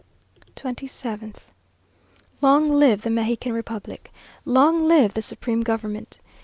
27th. "Long live the Mexican Republic! Long live the Supreme Government!"